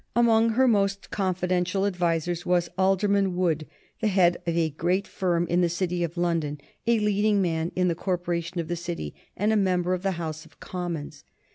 Among her most confidential advisers was Alderman Wood, the head of a great firm in the City of London, a leading man in the corporation of the City, and a member of the House of Commons.